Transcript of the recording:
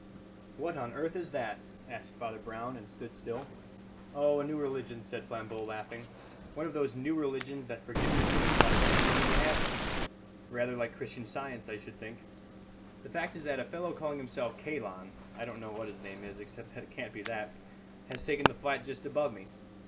"What on earth is that?" asked Father Brown, and stood still. "Oh, a new religion," said Flambeau, laughing; "one of those new religions that forgive your sins by saying you never had any. Rather like Christian Science, I should think. The fact is that a fellow calling himself Kalon (I don't know what his name is, except that it can't be that) has taken the flat just above me.